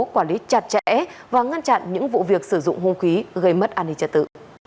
quản lý chặt chẽ và ngăn chặn những vụ việc sử dụng hung khí gây mất an ninh trật tự